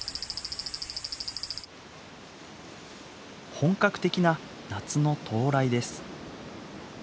本格的な夏の到来です。